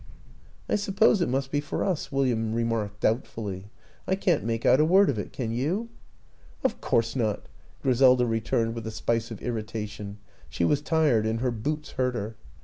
" I suppose it must be for us," William re marked doubtfully. " I can't make out a word of it can you? "" Of course not," Griselda returned with a spice of irritation she was tired and her boots hurt her.